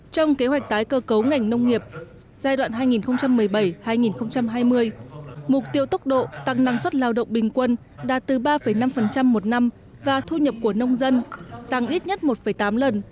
trong kế hoạch tái cơ cấu ngành nông nghiệp giai đoạn hai nghìn một mươi bảy hai nghìn hai mươi mục tiêu tốc độ tăng năng suất lao động bình quân đạt từ ba năm một năm và thu nhập của nông dân tăng ít nhất một tám lần